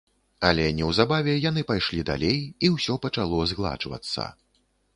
Але неўзабаве яны пайшлі далей, і ўсё пачало згладжвацца.